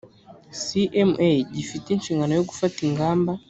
cma gifite inshingano yo gufata ingamba